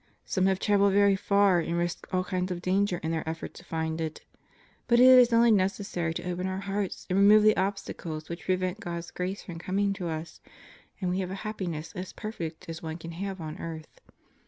Some have traveled very far and risked all kinds of danger in their efforts to find it. But it is only necessary to open our hearts and remove the obstacles which prevent God's grace from coming to us, and we have a happiness as perfect as one can have on earth.